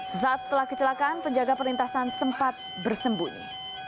sesaat setelah kecelakaan penjaga perlintasan sempat bersembunyi